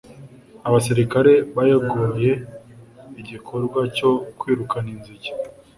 Abasirikare bayoboye igikorwa cyo kwirukana inzige